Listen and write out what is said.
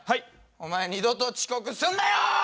お前二度と遅刻すんなよ！